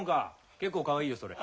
結構かわいいよそれ。